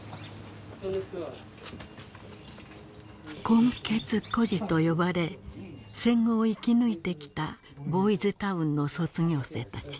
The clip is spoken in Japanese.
混血孤児とよばれ戦後を生き抜いてきたボーイズ・タウンの卒業生たち。